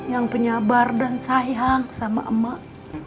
yang penyabar dan sayang sama emak